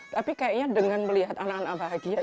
tapi kayaknya dengan melihat anak anak bahagia